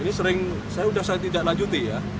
ini sering saya sudah tidak lanjuti ya